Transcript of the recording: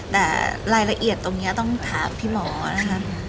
แต่รายละเอียดตรงนี้ต้องถามพี่หมอนะคะ